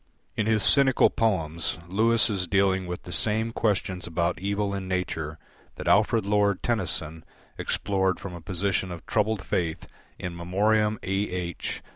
In his cynical poems, Lewis is dealing with the same questions about evil in nature that Alfred Lord Tennyson explored from a position of troubled faith in "In Memoriam A. H."